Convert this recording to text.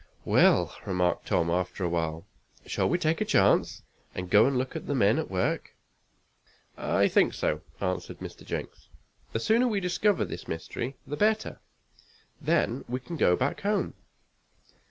"Well," remarked Tom, after a while, "shall we take a chance, and go look at the men at work?" "I think so," answered Mr. Jenks. "The sooner we discover this mystery, the better. Then we can go back home."